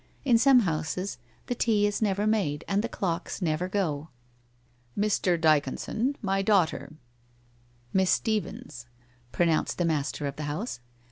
In some houses the tea is never made and the clocks never go. ' Mr. Dyconson — my daughter — Miss Stephens/ pro nounced the master of the house.